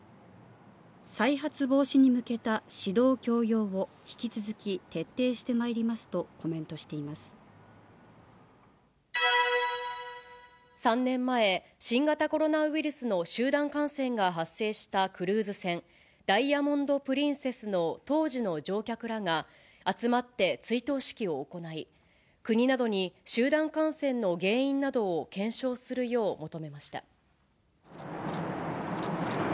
再発防止に向けた指導・教養を引き続き徹底してまいりますと、３年前、新型コロナウイルスの集団感染が発生したクルーズ船、ダイヤモンド・プリンセスの当時の乗客らが集まって追悼式を行い、国などに集団感染の原因などを検証するよう求めました。